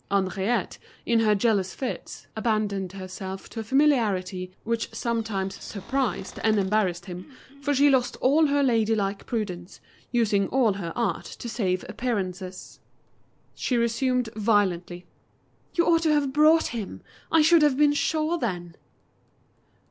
Henriette, in her jealous fits, abandoned herself to a familiarity which sometimes surprised and embarrassed him, for she lost all her lady like prudence, using all her art to save appearances. She resumed violently, "You ought to have brought him. I should have been sure then."